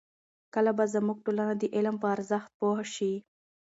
کله به زموږ ټولنه د علم په ارزښت پوه شي؟